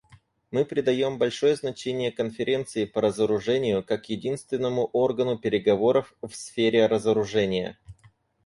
Мы придаем большое значение Конференции по разоружению как единственному органу переговоров в сфере разоружения.